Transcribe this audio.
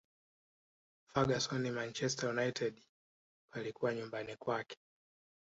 ferguson manchester united palikuwa nyumbani kwake